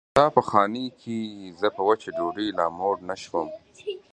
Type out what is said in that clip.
ستا په خانۍ کې زه په وچه ډوډۍ لا موړ نه شوم.